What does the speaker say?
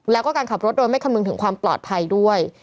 แล้วก็การขับรถโดยไม่คำนึงถึงความปลอดภัยด้วย